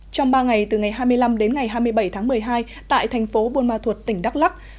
trong ba ngày từ ngày hai mươi năm đến ngày hai mươi bảy tháng một mươi hai tại thành phố buôn ma thuột tỉnh đắk lắc